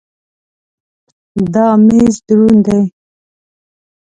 دا مېز دروند دی.